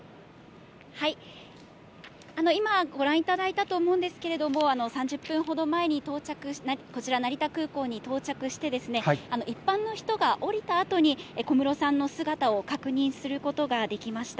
今ご覧いただいたと思うんですけれども、３０分ほど前に到着した、こちら、成田空港に到着して、一般の人が降りたあとに、小室さんの姿を確認することができました。